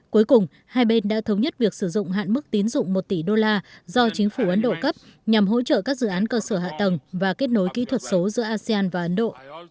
cuối cùng hai bên đã thống nhất việc sử dụng hạn mức tín dụng một tỷ đô la do chính phủ ấn độ cấp nhằm hỗ trợ các dự án cơ sở hạ tầng và kết nối kỹ thuật số giữa asean và ấn độ